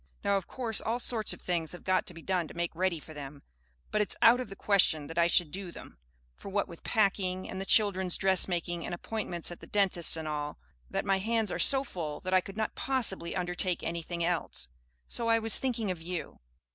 Now, of course all sorts of things have got to be done to make ready for them; but it's out of the question that I should do them, for what with packing and the children's dressmaking and appointments at the dentist's and all that, my hands are so full that I could not possibly undertake anything else. So I was thinking of you.